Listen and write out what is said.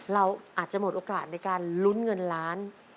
เราอาจจะหมดโอกาสในการลุ้นเงินล้าน